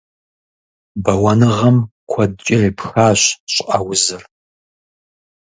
Бэуэныгъэм куэдкӀэ епхащ щӀыӀэ узыр.